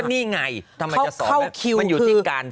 เขาเข้าคิวคือคิว